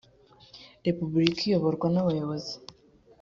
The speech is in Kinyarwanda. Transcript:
repubulika iyoborwa nabayobozi.